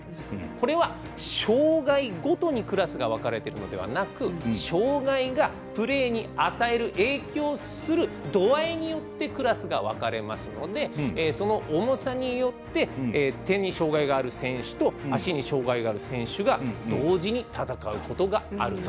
これは障がいごとに、クラスが分かれているのではなく障がいがプレーに与える影響する度合いによってクラスが分かれますのでその重さによって手に障がいがある選手と足に障がいがある選手が同時に戦うことがあると。